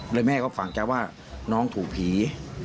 แล้วแม่ก็ฝังใจว่าน้องถูกผี